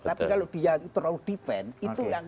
tapi kalau dia terlalu defend itu yang kira